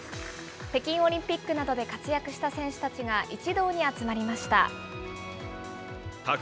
北京オリンピックなどで活躍した選手たちが一堂に集まりました。